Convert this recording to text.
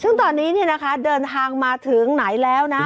ซึ่งตอนนี้เดินทางมาถึงไหนแล้วนะ